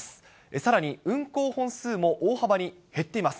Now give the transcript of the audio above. さらに運行本数も大幅に減っています。